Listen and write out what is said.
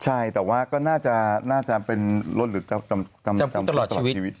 ใช่แต่ว่าก็น่าจะเป็นรถหรือกระบบจำกรุ๊ปตลอดชีวิตใช่แต่ว่าก็น่าจะเป็นรถหรือกระบบจำกรุ๊ปตลอดชีวิต